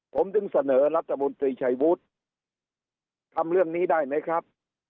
ผมถึงเสนอรัฐมนตรีชัยวุฒิทำเรื่องนี้ได้ไหมครับ